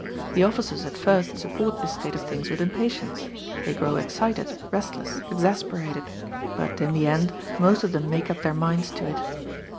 The officers at first support this state of things with impatience, they grow excited, restless, exasperated, but in the end most of them make up their minds to it.